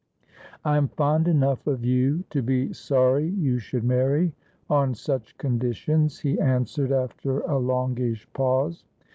' I am fond enough of you to be sorry you should marry on such conditions,' he answered, after a longish pause.